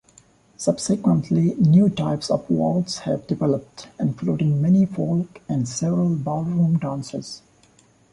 Subsequently, new types of waltz have developed, including many folk and several ballroom dances.